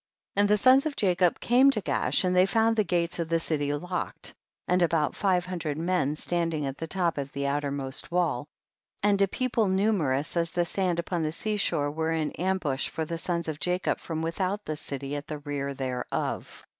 16. And the sons of Jacob came to Gaash and they found the gates of the city locked, and about five hundred men standing at the top of the outermost wall, and a people numerous as the sand upon the sea shore were in ambush for the sons of Jacob from without the city at the rear thereof.